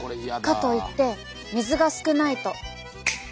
かといって水が少ないと。